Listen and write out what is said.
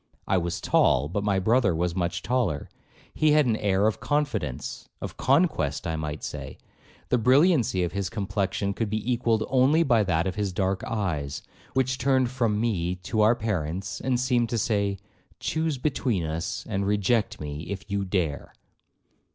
I was tall, but my brother was much taller; he had an air of confidence, of conquest I might say; the brilliancy of his complexion could be equalled only by that of his dark eyes, which turned from me to our parents, and seemed to say, 'Chuse between us, and reject me if you dare.'